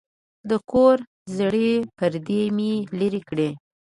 د کور زړې پردې مې لرې کړې.